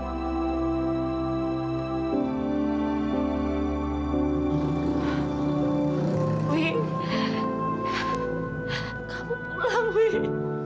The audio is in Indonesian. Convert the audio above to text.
kamu pulang wih